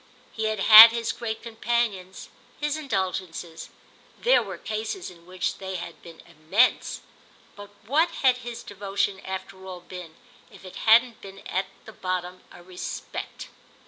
He had had his great companions, his indulgences—there were cases in which they had been immense; but what had his devotion after all been if it hadn't been at bottom a respect?